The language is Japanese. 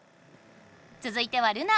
つづいてはルナ。